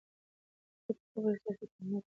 د پټو خبرو سیاست ته محتاط اوسئ.